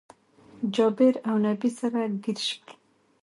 جابير اونبي سره ګير شول